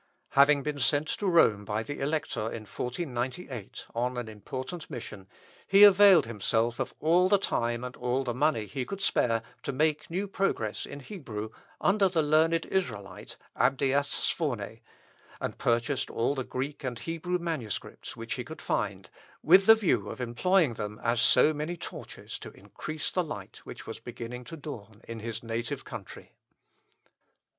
Having been sent to Rome by the elector in 1498, on an important mission, he availed himself of all the time and all the money he could spare to make new progress in Hebrew, under the learned Israelite, Abdias Sphorne, and purchased all the Greek and Hebrew manuscripts which he could find, with the view of employing them as so many torches to increase the light which was beginning to dawn in his native country.